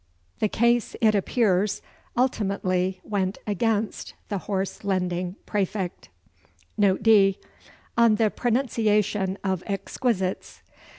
The case, it appears, ultimately went against the horse lending praefect. Note D. On the Pronunciation of Exquisites.